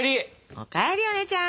お帰りお姉ちゃん。